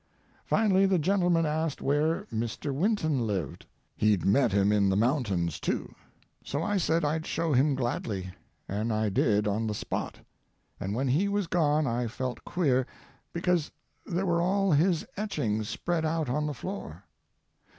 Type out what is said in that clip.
Finally the gentleman asked where Mr. Winton lived; he'd met him in the mountains, too. So I said I'd show him gladly. And I did on the spot. And when he was gone I felt queer, because there were all his etchings spread out on the floor.